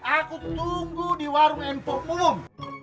aku tunggu di warung empuk umum